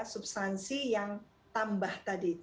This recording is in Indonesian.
substansi yang tambah